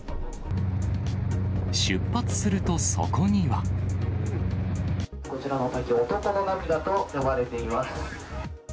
出発するとそこには。こちらの滝、男の涙と呼ばれています。